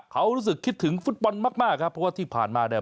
เขารู้สึกคิดถึงฟุตบอลมากมากครับเพราะว่าที่ผ่านมาเนี่ย